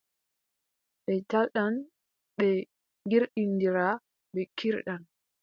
Ɓe njaldan, ɓe ngillindiran, ɓe kiirdan.